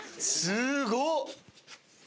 すごっ！